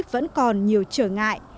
vẫn còn nhiều trở ngại